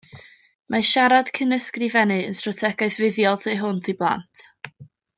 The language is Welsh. Mae siarad cyn ysgrifennu yn strategaeth fuddiol tu hwnt i blant